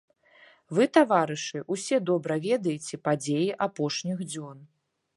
Вы, таварышы, усе добра ведаеце падзеі апошніх дзён.